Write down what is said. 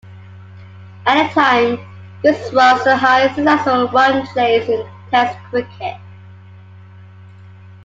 At the time, this was the highest successful run-chase in Test cricket.